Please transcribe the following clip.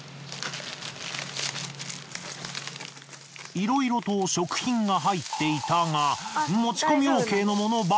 いろいろと食品が入っていたが。